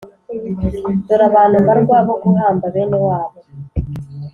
Dore abantu mbarwa bo guhamba bene wabo.